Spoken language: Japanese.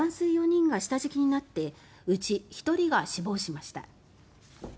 ４人が下敷きになってうち１人が死亡しました。